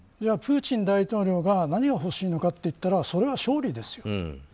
プーチン大統領が何を欲しいのかといったらそれは勝利ですよ。